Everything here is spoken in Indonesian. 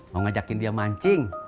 mau ngajakin dia mancing